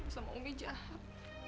sama umi jahat